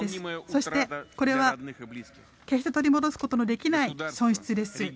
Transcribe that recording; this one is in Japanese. そしてこれは決して取り戻すことのできない損失です。